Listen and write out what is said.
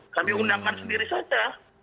kami undangkan sendiri saja